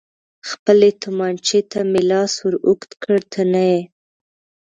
خپلې تومانچې ته مې لاس ور اوږد کړ، ته نه یې.